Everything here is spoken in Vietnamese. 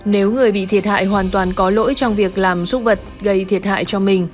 nếu người bị thiệt hại hoàn toàn có lỗi trong việc làm giúp vật gây thiệt hại cho mình